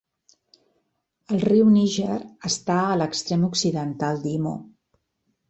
El riu Níger està a l'extrem occidental d'Imo.